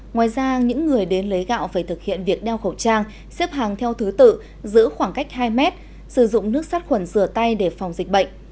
ngoài ra những người đến lấy gạo phải thực hiện việc đeo khẩu trang xếp hàng theo thứ tự giữ khoảng cách hai mét sử dụng nước sát khuẩn rửa tay để phòng dịch bệnh